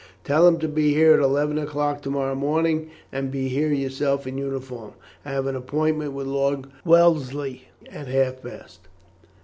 Tell him to be here at eleven o'clock to morrow morning, and be here yourself in uniform. I have an appointment with Lord Wellesley at half past."